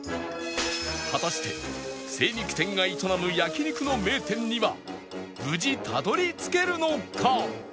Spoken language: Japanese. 果たして精肉店が営む焼肉の名店には無事たどり着けるのか？